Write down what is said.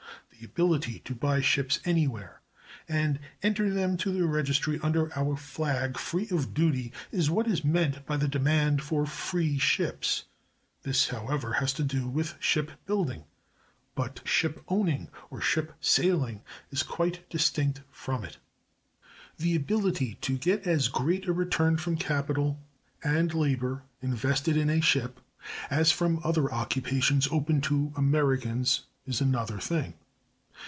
The ability to buy ships anywhere, and enter them to registry under our flag free of duty, is what is meant by the demand for "free ships." This, however, has to do with ship building. But ship owning or ship sailing, is quite distinct from it. The ability to get as great a return from capital and labor invested in a ship as from other occupations open to Americans is another thing.